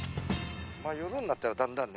まあ夜になったらだんだんね